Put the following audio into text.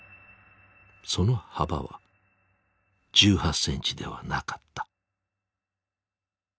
その幅は１８センチではなかった。